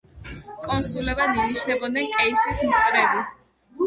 კონსულებად ინიშნებოდნენ კეისრის მტრები.